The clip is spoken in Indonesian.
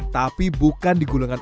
tapi bukan di gulungan